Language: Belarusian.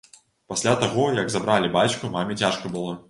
Пасля таго, як забралі бацьку, маме цяжка было.